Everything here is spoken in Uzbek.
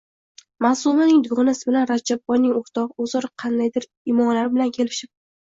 Maʼsumaning dugonasi bilan Rajabboyning oʼrtogʼi oʼzaro qandaydir imolar bilan kelishib